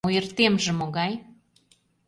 Ойыртемже могай?